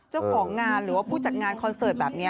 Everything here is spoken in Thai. เจ้าของงานหรือว่าผู้จัดงานคอนเสิร์ตแบบนี้